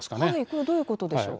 これはどういうことでしょう。